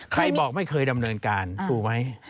ใครบอกไม่เคยดำเนินการถูกไหม